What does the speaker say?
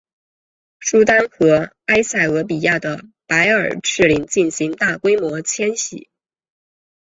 苏丹和埃塞俄比亚的白耳赤羚进行大规模迁徙。